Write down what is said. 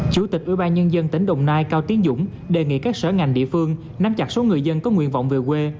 chủ tịch ubnd tỉnh đồng nai cao tiến dũng đề nghị các sở ngành địa phương nắm chặt số người dân có nguyện vọng về quê